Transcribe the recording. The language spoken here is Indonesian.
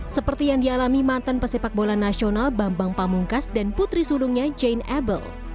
seperti yang dialami mantan pesepak bola nasional bambang pamungkas dan putri sulungnya jane abel